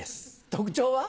特徴は？